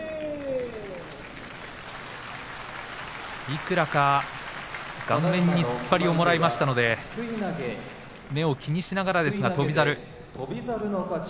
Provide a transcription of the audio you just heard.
いくらか顔面に突っ張りをもらいましたので目を気にしながらですが翔猿。